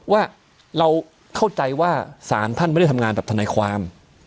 ว่าเราเข้าใจว่าสารท่านไม่ได้ทำงานแบบทนายความ